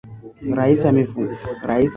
Rais amefungua ofisi